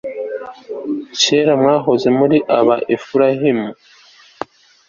kera mwahoze muri ab' efurayimu